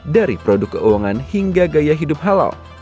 dari produk keuangan hingga gaya hidup halal